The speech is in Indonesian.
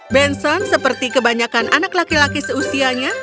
benson seperti kebanyakan anak laki laki seusianya